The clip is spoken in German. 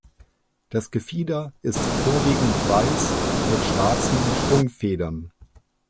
Das Gefieder ist vorwiegend weiß mit schwarzen Schwungfedern.